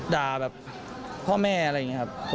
ด่าแบบพ่อแม่อะไรอย่างนี้ครับ